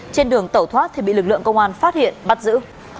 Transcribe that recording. trên đường tẩu thoát thì bị lực lượng công an phát hiện bắt giữ